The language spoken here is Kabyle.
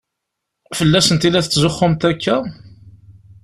Fell-asent i la tetzuxxumt akka?